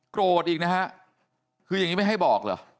อีกนะฮะคืออย่างนี้ไม่ให้บอกเหรอ